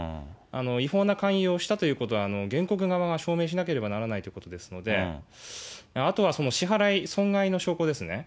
違法な勧誘をしたということは原告側が証明しなければならないということですので、あとは支払い、損害の証拠ですね。